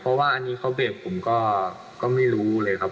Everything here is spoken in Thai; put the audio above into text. เพราะว่าอันนี้เขาเบรกผมก็ไม่รู้เลยครับ